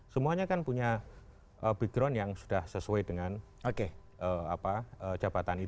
semuanya kan punya background yang sudah sesuai dengan jabatan itu